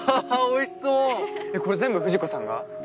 これ全部藤子さんが？